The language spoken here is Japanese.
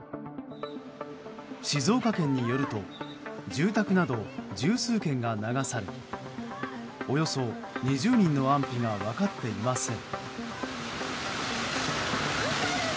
静岡県によると住宅など十数軒が流されおよそ２０人の安否が分かっていません。